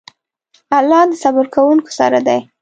الله د صبر کوونکو سره دی.